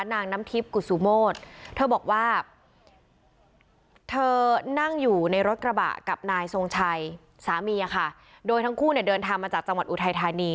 สามีอะค่ะโดยทั้งคู่เนี่ยเดินทางมาจากจังหวัดอุทายธานี